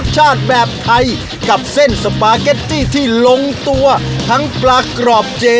ชิคกี้พูขอบคุณครับ